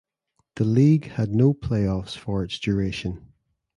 The league had no playoffs for its duration.